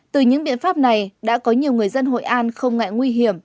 từ những biện pháp này đã có nhiều người dân hội an không ngại nguy hiểm